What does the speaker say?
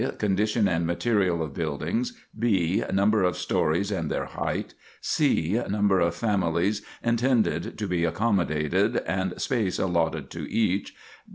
_ Condition and material of buildings. b. Number of stories and their height. c. Number of families intended to be accommodated, and space allotted to each.